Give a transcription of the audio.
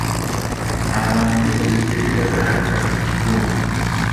Abantu bakozesa ebiragalalagala mu kitundu.